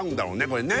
これね